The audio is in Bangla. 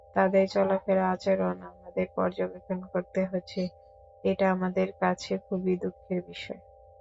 তাদের চলাফেরা-আচরণ আমাদের পর্যবেক্ষণ করতে হচ্ছে, এটা আমাদের কাছে খুবই দুঃখের বিষয়।